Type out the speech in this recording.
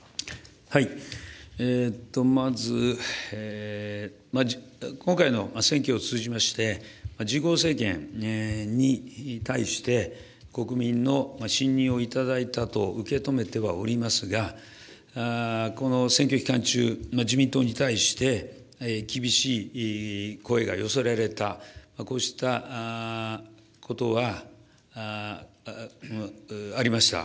まず、今回の選挙を通じまして、自公政権に対して国民の信任を頂いたと受け止めてはおりますが、この選挙期間中、自民党に対して、厳しい声が寄せられた、こうしたことはありました。